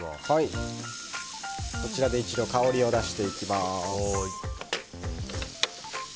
こちらで一度香りを出していきます。